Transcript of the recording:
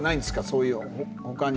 そういうほかに。